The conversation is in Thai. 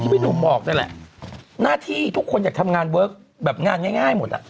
พี่หนุ่มบอกนั่นแหละหน้าที่ทุกคนอยากทำงานเวิร์คแบบงานง่ายหมดอ่ะ